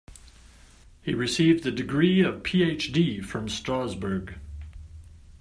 He received the degree of Ph.D. from Strassburg.